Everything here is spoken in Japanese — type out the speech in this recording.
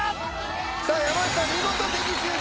さあ、山内さん、見事的中。